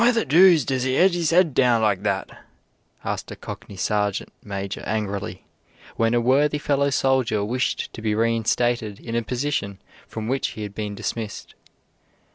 "Why the doose de 'e 'old 'is 'ead down like that?" asked a cockney sergeant major angrily, when a worthy fellow soldier wished to be reinstated in a position from which he had been dismissed.